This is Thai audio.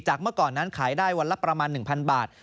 เมื่อก่อนนั้นขายได้วันละประมาณ๑๐๐บาท